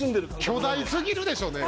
巨大すぎるでしょうね。